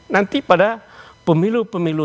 nanti pada pemilu pemilu